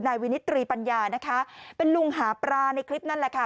วินิตรีปัญญานะคะเป็นลุงหาปลาในคลิปนั่นแหละค่ะ